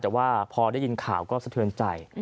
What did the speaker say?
แต่ว่าพอได้ยินข่าวก็สะเทือนใจ